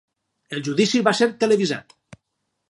El judici va ser televisat.